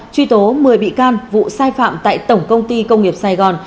truy tố một mươi bị can vụ sai phạm tại tổng công ty công nghiệp sài gòn